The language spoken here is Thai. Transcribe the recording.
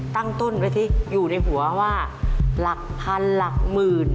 ตั้งต้นไว้ที่อยู่ในหัวว่าหลักพันหลักหมื่น